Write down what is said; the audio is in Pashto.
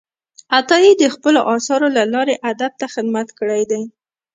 عطايي د خپلو آثارو له لارې ادب ته خدمت کړی دی.